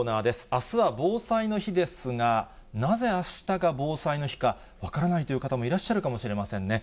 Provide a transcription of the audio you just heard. あすは防災の日ですが、なぜ、あしたが防災の日か分からないという方もいらっしゃるかもしれませんね。